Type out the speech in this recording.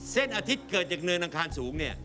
อาทิตย์เกิดจากเนินอังคารสูงเนี่ย